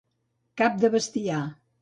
Cap de bestiar.